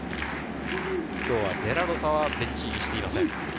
今日はデラロサはベンチ入りしていません。